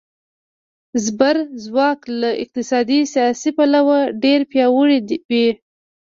زبرځواک له اقتصادي، سیاسي پلوه ډېر پیاوړي وي.